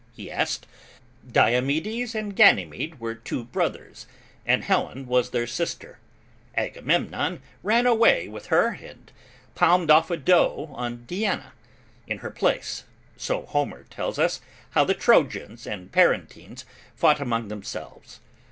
he asked, "Diomedes and Ganymede were two brothers, and Helen was their sister; Agamemnon ran away with her and palmed off a doe on Diana, in her place, so Homer tells how the Trojans and Parentines fought among themselves.